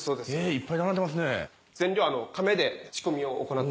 いっぱい並んでますね。